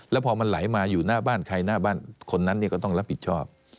แล้วพอมันไหลมาอยู่หน้าบ้านใครหน้าบ้านคนนั้นก็ต้องรับผิดชอบ